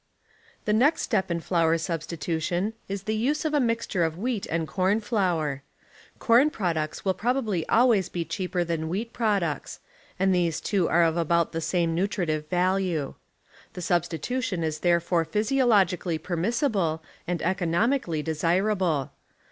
The next step in flour substitution is the use of a mixture of wheat and corn flour. Corn products will probably always be cheaper than wheat products, and these two are of about the ^ f, same nutritive value. The substitution is there fore physiologically permissible and economically desirable.